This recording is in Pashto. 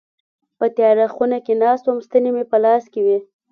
په تياره خونه کي ناست وم ستني مي په لاس کي وي.